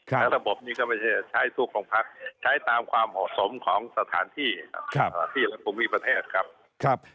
แล้วระบบนี้ก็ไม่ใช่ใช้ทุกโรงพักใช้ตามความเหมาะสมของสถานที่ที่ในภูมิประเทศครับ